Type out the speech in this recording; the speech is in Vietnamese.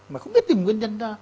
mà không biết tìm nguyên nhân ra